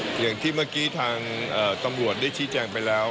อย่างที่เมื่อกี้ทางตำรวจได้ชี้แจงไปแล้ว